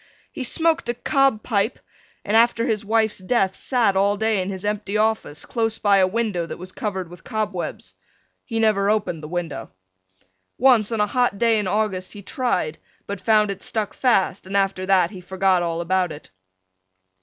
He smoked a cob pipe and after his wife's death sat all day in his empty office close by a window that was covered with cobwebs. He never opened the window. Once on a hot day in August he tried but found it stuck fast and after that he forgot all about it.